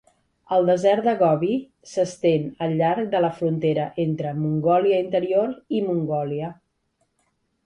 El desert de Gobi s'estén al llarg de la frontera entre Mongòlia Interior i Mongòlia.